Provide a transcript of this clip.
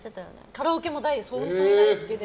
カラオケも本当に大好きで。